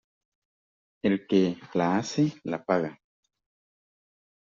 El que la hace la paga.